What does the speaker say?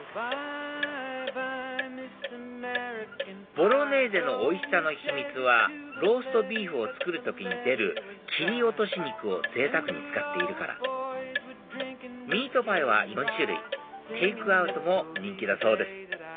ボロネーゼのおいしさの秘密はローストビーフを作る時に出る切り落とし肉をぜいたくに使っているからミートパイは４種類テイクアウトも人気だそうです